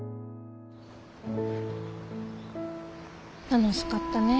楽しかったね。